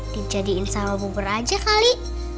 dijadiin sama bubur aja kali